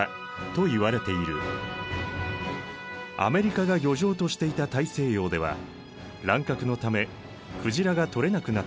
アメリカが漁場としていた大西洋では乱獲のため鯨が取れなくなっていた。